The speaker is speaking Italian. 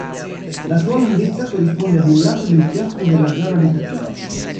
La sua lunghezza corrisponde ad un lato del chiostro della zona abitativa.